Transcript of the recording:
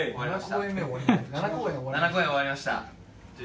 ７公演終わりました。